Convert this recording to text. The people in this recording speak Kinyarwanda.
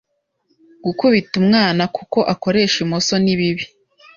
Gukubita umwana kuko akoresha imoso ni bibi